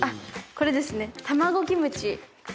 これです。